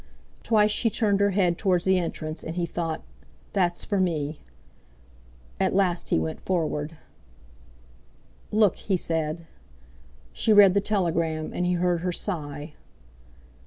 Twice she turned her head towards the entrance, and he thought: "That's for me!" At last he went forward. "Look!" he said. She read the telegram, and he heard her sigh.